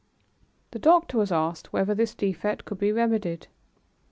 The doctor was asked whether this defect could be remedied.